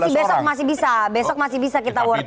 masih besok masih bisa besok masih bisa kita war ticket